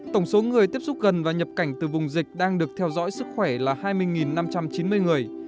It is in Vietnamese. tổng số người tiếp xúc gần và nhập cảnh từ vùng dịch đang được theo dõi sức khỏe là hai mươi năm trăm chín mươi người